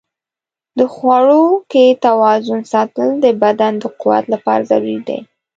د خواړو کې توازن ساتل د بدن د قوت لپاره ضروري دي.